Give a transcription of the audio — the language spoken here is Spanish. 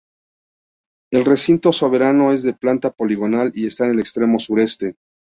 El recinto soberano es de planta poligonal y está en el extremo sureste.